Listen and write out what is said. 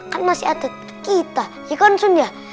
kan masih ada kita ya kan sun ya